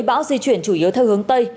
bão di chuyển chủ yếu theo hướng tây